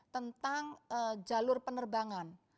tentang jalur penerbangan